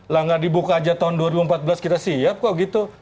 lah nggak dibuka aja tahun dua ribu empat belas kita siap kok gitu